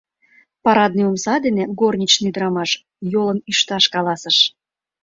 Парадный омса дене горничный ӱдырамаш йолым ӱшташ каласыш.